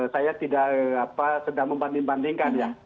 saya tidak sedang membanding bandingkan ya